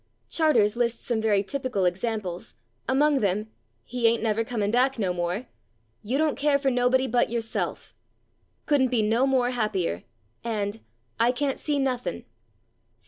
Charters lists some very typical examples, among them, "he ain't /never/ coming back /no/ more," "you /don't/ care for nobody but yourself," "couldn't be /no/ more happier" and "I /can't/ see nothing."